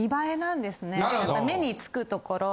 目につくところ。